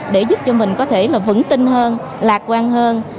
để giúp mình có thể vững tinh hơn lạc quan hơn